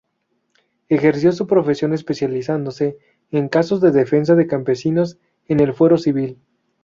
Ejerció su profesión especializándose en casos de defensa de campesinos en el fuero civil.